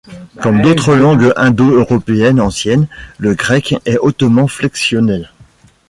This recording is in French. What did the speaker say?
Comme d'autres langues indo-européennes anciennes, le grec est hautement flexionnel.